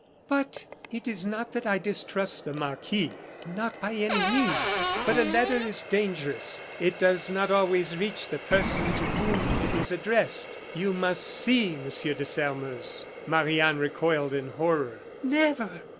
"But " "It is not that I distrust the marquis, not by any means, but a letter is dangerous; it does not always reach the person to whom it is addressed. You must see Monsieur de Sairmeuse." Marie Anne recoiled in horror. "Never!